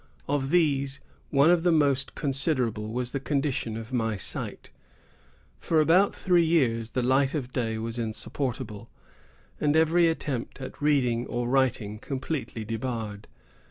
Of these, one of the most considerable was the condition of my sight. For about three years, the light of day was insupportable, and every attempt at reading or writing completely debarred.